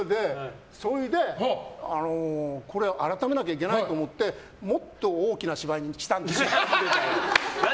それで改めないといけないと思ってもっと大きな芝居にしたんです。